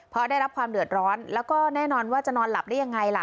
เพราะได้รับความเดือดร้อนแล้วก็แน่นอนว่าจะนอนหลับได้ยังไงล่ะ